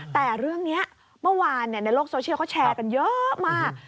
แต่เรื่องนี้เมื่อวานในโลกโซเชียลเขาแชร์กันเยอะมาก